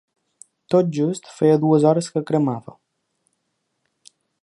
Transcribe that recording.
Tot just feia dues hores que cremava.